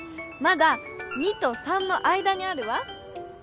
まだ「２」と「３」の間にあるわ。